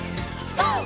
ＧＯ！